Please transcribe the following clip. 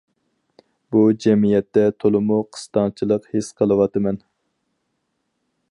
بۇ جەمئىيەتتە تولىمۇ قىستاڭچىلىق ھېس قىلىۋاتىمەن.